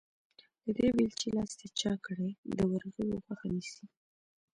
د دې بېلچې لاستي چاک کړی، د ورغوي غوښه نيسي.